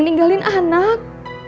sabar ya nak